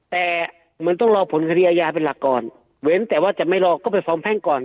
แต่เหมือนต้องรอผลคดีอาญาเป็นหลักก่อนเว้นแต่ว่าจะไม่รอก็ไปฟ้องแพ่งก่อน